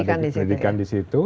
pendidikan di situ